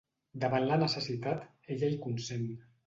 Davant la necessitat ella hi consent.